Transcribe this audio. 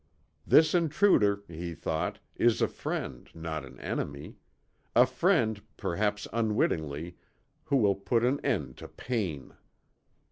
This intruder, he thought, is a friend, not an enemy. A friend, perhaps unwittingly, who will put an end to pain.